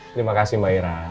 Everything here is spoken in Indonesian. terima kasih mbak ira